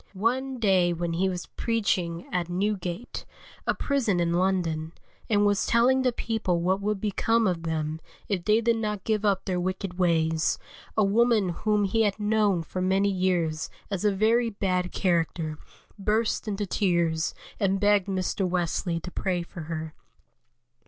One day when he was preaching at Newgate, a prison in London, and was telling the people what would become of them if they did not give up their wicked ways, a woman whom he had known for many years as a very bad character, burst into tears and begged Mr. Wesley to pray for her.